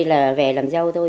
là về làm dâu tôi